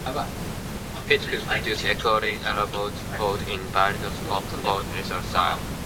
Pitt could produce equally elaborate work in variations of the Gothic revival style.